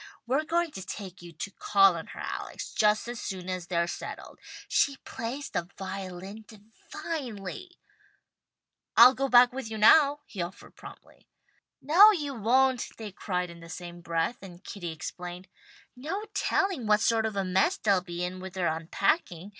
We're going to take you to call on her, Alex, just as soon as they're settled. She plays the violin divinely." "I'll go right back with you now," he offered promptly. "No you won't," they cried in the same breath, and Kitty explained, "No telling what sort of a mess they'll be in with their unpacking.